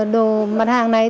đồ mặt hàng này